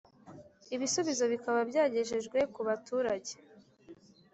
ibisubizo bikaba byagejejwe ku baturage